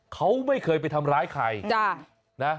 เขาไม่เคยไปทำร้ายใครนะ